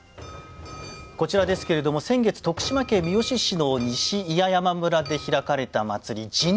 こちらですけれども先月徳島県三好市の西祖谷山村で開かれた祭り神代踊です。